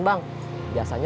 waduh si bodohnya billions